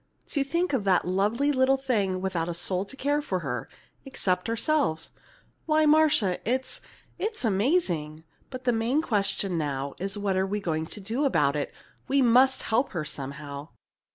To think of that lovely little thing without a soul to care for her except ourselves. Why, Marcia, it's it's amazing! But the main question now is what are we going to do about it? We must help her somehow!"